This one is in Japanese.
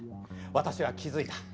私は気づいた。